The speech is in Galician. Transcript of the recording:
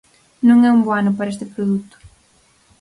Non é un bo ano para este produto.